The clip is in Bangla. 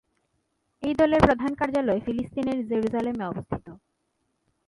এই দলের প্রধান কার্যালয় ফিলিস্তিনের জেরুসালেমে অবস্থিত।